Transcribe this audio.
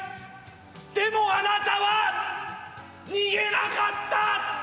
でもあなたは逃げなかった！